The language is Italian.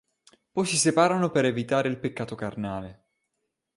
Poi si separarono per evitare il peccato carnale.